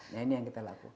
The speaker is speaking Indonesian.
nah ini yang kita lakukan